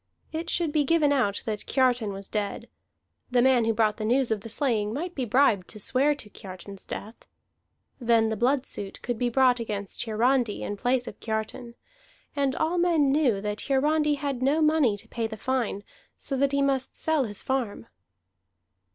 It should be given out that Kiartan was dead: the man who brought the news of the slaying might be bribed to swear to Kiartan's death. Then the blood suit could be brought against Hiarandi in place of Kiartan; and all men knew that Hiarandi had no money to pay the fine, so that he must sell his farm.